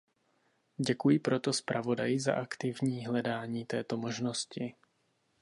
Děkuji proto zpravodaji za aktivní hledání této možnosti.